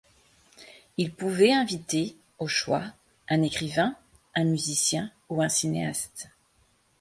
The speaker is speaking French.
Il pouvait inviter, au choix, un écrivain, un musicien ou un cinéaste.